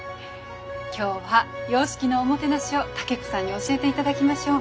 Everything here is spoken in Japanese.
今日は洋式のおもてなしを武子さんに教えていただきましょう。